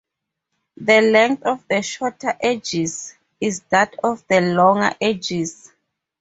The length of the shorter edges is that of the longer edges.